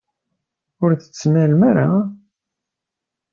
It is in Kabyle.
Ur t-tettnalem ara.